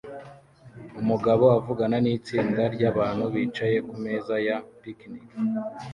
Umugabo avugana nitsinda ryabantu bicaye kumeza ya picnic